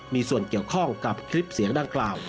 มีส่วนเกี่ยวข้องกับคลิปเสียงดังกล่าว